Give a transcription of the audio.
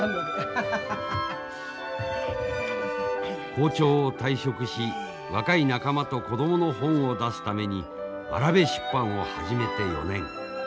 校長を退職し若い仲間と子供の本を出すためにわらべ出版を始めて４年。